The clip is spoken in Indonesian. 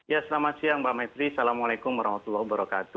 ya selamat siang mbak maitri assalamualaikum wr wb